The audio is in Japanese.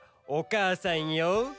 おかあさんよ。